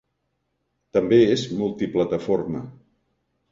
També és multiplataforma.